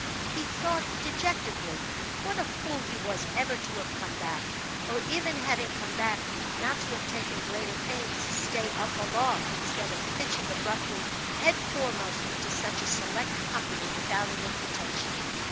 He thought, dejectedly, what a fool he was ever to have come back; or even having come back, not to have taken greater pains to stay up aloft, instead of pitching abruptly head foremost into such a select company without an invitation.